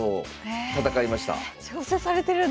挑戦されてるんだ。